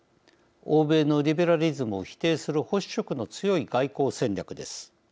欧米のリベラリズムを否定する保守色の強い外交戦略です。